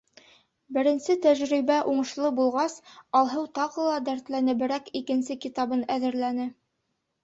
Беренсе тәжрибә уңышлы булғас, Алһыу тағы ла дәртләнеберәк икенсе китабын әҙерләне.